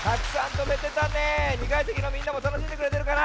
２かいせきのみんなもたのしんでくれてるかな？